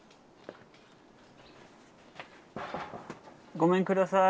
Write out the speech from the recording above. ごめんください。